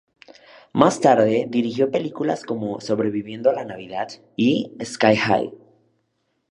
Más tarde dirigió películas como "Sobreviviendo a la Navidad" y "Sky High".